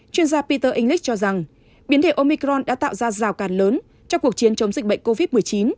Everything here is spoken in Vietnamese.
chuyên gia peter english cho rằng biến thể omicron đã tạo ra rào càn lớn trong cuộc chiến chống dịch bệnh covid một mươi chín